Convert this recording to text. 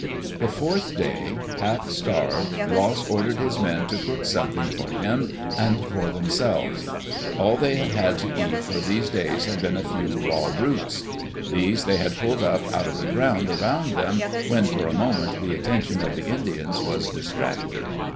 The fourth day, half starved, Ross ordered his men to cook something for him and for themselves. All diey had had to eat for these days had been a few raw roots. These they had pulled up out of the ground around them when, for a moment, the attention of the Indians was distracted.